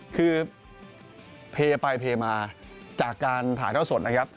คือเพย์ไปเพมาจากการถ่ายเท่าสดนะครับ